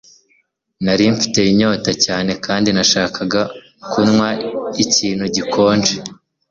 Nari mfite inyota cyane kandi nashakaga kunywa ikintu gikonje